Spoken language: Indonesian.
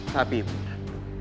tapi ibu nda